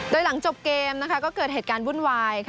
โดยหลังจบเกมก็เกิดเหตุการณ์วุ่นวาย